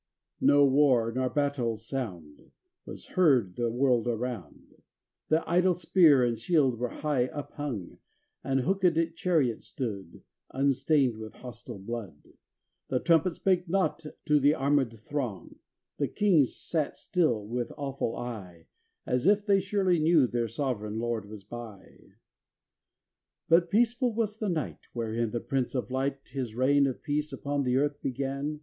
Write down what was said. IV No war, or battail's sound, Was heard the world aroimd; The idle spear and shield were high up hung; The hooked chariot stood, Unstained with hostile blood; The trumpet spake not to the armed throng; And Kings sat still with awful eye, As if they surely knew their sovran Lord was by. V But peaceful was the night Wherein the Prince of Light His reign of peace upon the earth began.